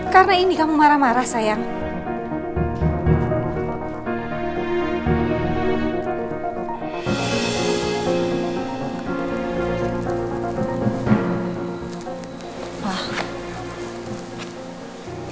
karena ini kamu marah marah sayang